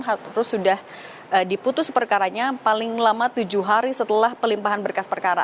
harus terus sudah diputus perkaranya paling lama tujuh hari setelah pelimpahan berkas perkara